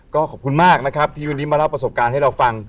ก็ขอบคุณมากนะครับที่วันนี้มาเล่าประสบการณ์ให้เราฟัง